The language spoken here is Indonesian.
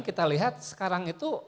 kita lihat sekarang itu